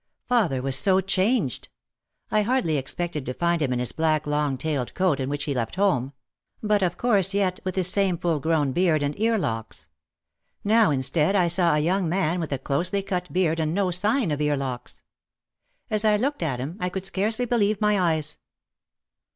Father was so changed. I hardly ex pected to find him in his black long tailed coat in which he left home. But of course yet with his same full grown beard and earlocks. Now instead I saw a young man with a closely cut beard and no sign of earlocks. As I looked at him I could scarcely believe my eyes.